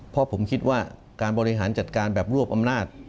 เพราะผมคิดว่าการบริหารจัดการแบบรวบอำนาจ